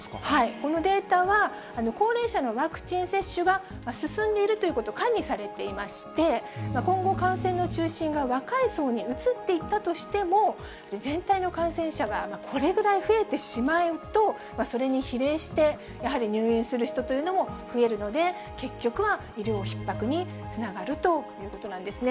このデータは、高齢者のワクチン接種が進んでいるということ、加味されていまして、今後、感染の中心が若い層に移っていったとしても、全体の感染者がこれぐらい増えてしまうと、それに比例して、やはり入院する人というのも増えるので、結局は医療ひっ迫につながるということなんですね。